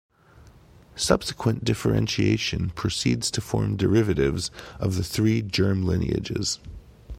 Subsequent differentiation proceeds to form derivatives of the three germ lineages.